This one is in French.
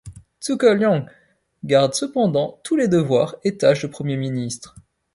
Zhuge Liang garde cependant tous les devoirs et tâches de Premier ministre.